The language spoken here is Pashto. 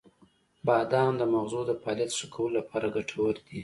• بادام د مغزو د فعالیت ښه کولو لپاره ګټور دی.